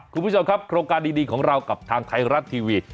คุณผู้ชมครับโครงการดีของเรากับทางไทยรัฐทีวี